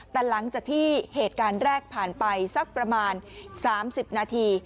แต่หลังจากที่เหตุการณ์แรกผ่านไปสักประมาณ๓๐นาที